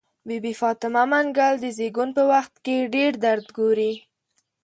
بي بي فاطمه منګل د زيږون په وخت کې ډير درد ګوري.